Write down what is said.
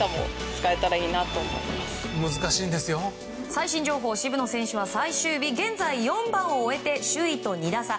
最新情報渋野選手は最終日現在４番を終えて首位と２打差。